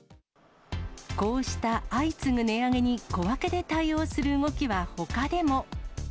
こうした相次ぐ値上げに、小分けで対応する動きはほかでも。